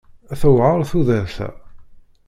Tewɛer tudert-a.